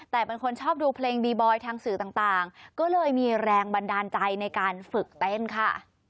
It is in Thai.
แต่เป็นคนชอบดูเพลงบีบอยทางสื่อต่างก็เลยมีแรงบันดาลใจในการฝึกเต้นค่ะ